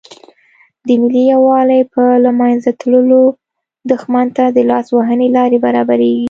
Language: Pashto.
د ملي یووالي په له منځه تللو دښمن ته د لاس وهنې لارې برابریږي.